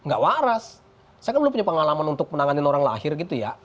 gak waras saya kan belum punya pengalaman untuk menangani orang lahir gitu ya